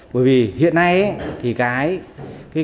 bởi vì hiện nay thì cái giá